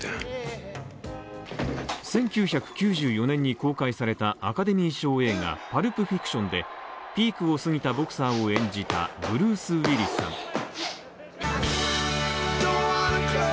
１９９４年に公開されたアカデミー賞映画「パルプ・フィクション」でピークを過ぎたボクサーを演じたブルース・ウィリスさん。